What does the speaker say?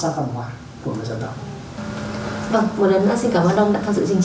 vâng một lần nữa xin cảm ơn ông đã theo dõi chương trình